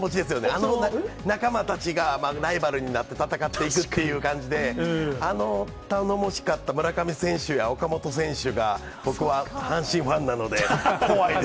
あの仲間たちがライバルになって戦っていくっていう感じで、あの頼もしかった村上選手や岡本選手が、そうですね。